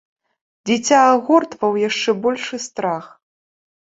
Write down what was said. Дзіця агортваў яшчэ большы страх.